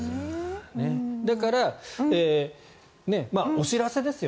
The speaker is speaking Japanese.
だから、お知らせですよ